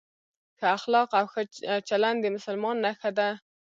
ښه اخلاق او چلند د مسلمان نښه ده.